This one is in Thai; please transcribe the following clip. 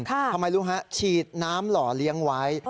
ทำไมรู้ฮะฉีดน้ำหล่อเลี้ยงไว้